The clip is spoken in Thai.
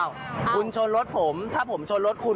คุณชนรถผมถ้าผมชนรถคุณ